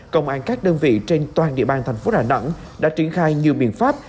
công an các đơn vị trên toàn địa bàn thành phố đà nẵng đã triển khai nhiều biện pháp